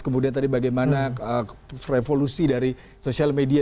kemudian tadi bagaimana revolusi dari sosial media